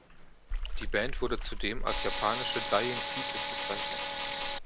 Die Band wurde zudem als „japanische Dying Fetus“ bezeichnet.